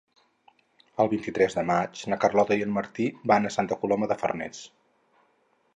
El vint-i-tres de maig na Carlota i en Martí van a Santa Coloma de Farners.